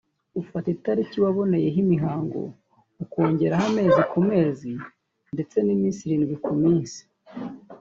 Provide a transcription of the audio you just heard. Ufata italiki waboneyeho imihango ukongeraho amezi ku mezi ndetse n’iminsi irindwi ku minsi